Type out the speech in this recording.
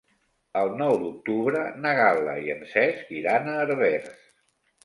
El nou d'octubre na Gal·la i en Cesc iran a Herbers.